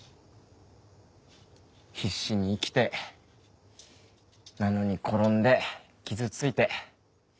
必死に生きてなのに転んで傷ついて。